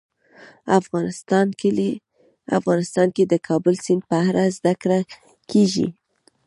افغانستان کې د کابل سیند په اړه زده کړه کېږي.